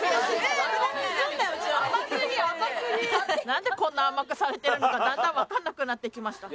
なんでこんな甘くされてるのかだんだんわかんなくなってきました。